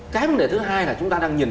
cái vấn đề thứ hai là chúng ta đang nhìn